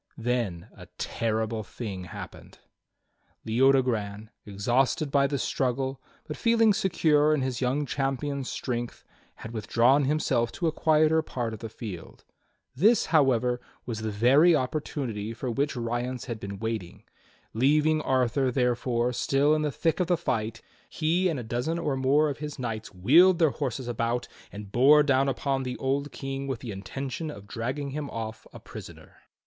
Then a terrible thing happened. Leodogran, exhausted by the struggle, but feeling secure in his young champion's strength, had withdrawn himself to a quieter part of the field. This, however, was the very opportunity for which Rience had been waiting. Leaving Arthur, therefore, still in the thick of the fight, he and a dozen or more of his knights wheeled their horses about and bore down upon the old King with the intention of dragging him off a prisoner.